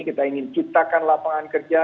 kita ingin ciptakan lapangan kerja